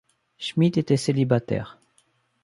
Schmitt était célibataire.